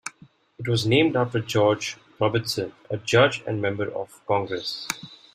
It was named after George Robertson, a judge and member of Congress.